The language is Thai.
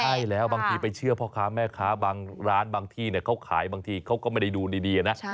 ใช่แล้วบางทีไปเชื่อพ่อค้าแม่ค้าบางร้านบางที่เขาขายบางทีเขาก็ไม่ได้ดูดีนะ